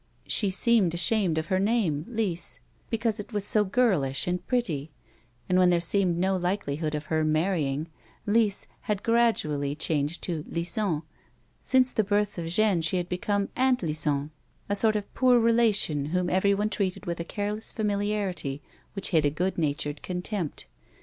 She seemed ashamed of her name, Lise, because it was so girlish and pretty, and when there seemed no likelihood of her marrying, " Lise " had gradually changed to " Lison." Since the birth of Jeanne she had become " Aunt Lison," a sort of poor relation whom everyone treated with a careless familiarity which hid a good natured contempt.